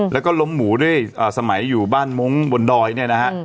แล้วก็ล้มหมูด้วยสมัยอยู่บ้านมงค์บนดอยเนี่ยนะฮะ